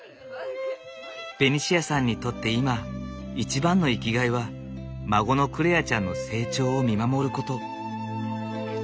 ベニシアさんにとって今一番の生きがいは孫の來愛ちゃんの成長を見守ること。